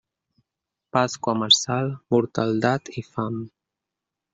Pasqua marçal, mortaldat i fam.